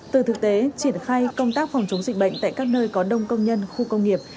từ thực tế triển khai công tác phòng chống dịch bệnh tại các nơi có đông công nhân khu công nghiệp